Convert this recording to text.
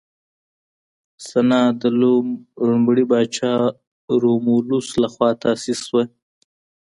سنا د روم لومړي پاچا رومولوس لخوا تاسیس شوه